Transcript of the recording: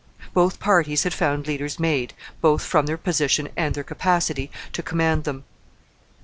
Both parties had found leaders made, both from their position and their capacity, to command them.